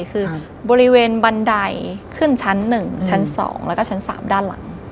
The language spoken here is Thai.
คือบริเวณบันไดขึ้นชั้น๑ชั้น๒แล้วก็ชั้น๓ด้านหลัง